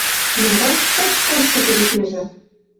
Юр вашт хоть-кышкы тӹдӹ кежӹ?